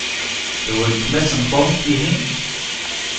D weltma-s n Tom, tihin?